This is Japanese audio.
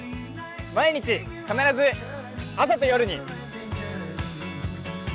毎日必ず朝と夜に。